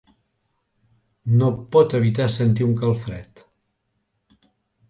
No pot evitar sentir un calfred.